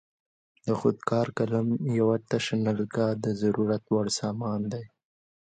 د خود کار قلم یوه تشه نلکه د ضرورت وړ سامان دی.